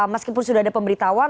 meskipun sudah ada pemberitahuan